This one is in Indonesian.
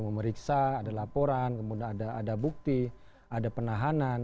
memeriksa ada laporan kemudian ada bukti ada penahanan